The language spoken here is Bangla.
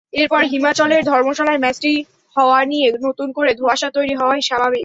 এরপর হিমাচলের ধর্মশালায় ম্যাচটি হওয়া নিয়ে নতুন করে ধোঁয়াশা তৈরি হওয়াই স্বাভাবিক।